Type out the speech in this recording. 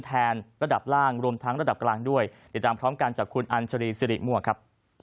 ระดับล่างรวมทั้งระดับกลางด้วยติดตามพร้อมกันจากคุณอัญชรีสิริมั่วครับ